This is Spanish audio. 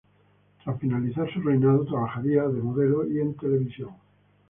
Tras finalizar su reinado, trabajaría de modelo y en televisión.